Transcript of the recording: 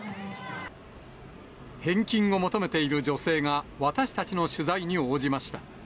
返金を求めている女性が、私たちの取材に応じました。